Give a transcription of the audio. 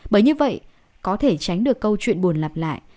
bởi như vậy có thể tránh được câu chuyện buồn lặp lại